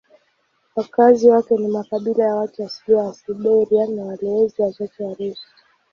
Wakazi wake ni makabila ya watu asilia wa Siberia na walowezi wachache Warusi.